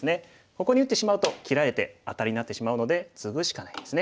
ここに打ってしまうと切られてアタリになってしまうのでツグしかないですね。